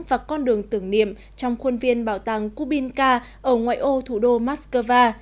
và con đường tưởng niệm trong khuôn viên bảo tàng kubinka ở ngoại ô thủ đô moskova